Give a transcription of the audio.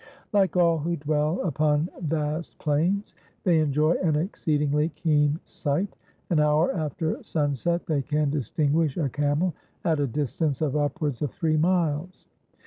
Like all who dwell upon vast plains, they enjoy an exceedingly keen sight. An hour after sunset they can distinguish a camel at a distance of upwards of three miles.